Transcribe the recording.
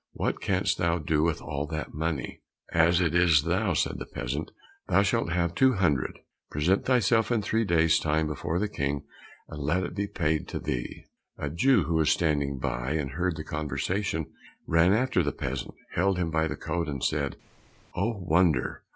What canst thou do with all that money?" "As it is thou," said the peasant, "thou shalt have two hundred; present thyself in three days' time before the King, and let it be paid to thee." A Jew, who was standing by and had heard the conversation, ran after the peasant, held him by the coat, and said, "Oh, wonder!